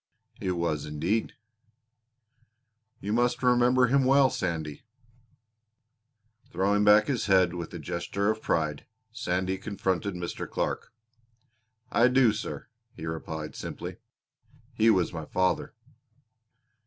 "It was indeed." "You must remember him well, Sandy." Throwing back his head with a gesture of pride, Sandy confronted Mr. Clark. "I do, sir," he replied simply. "He was my father."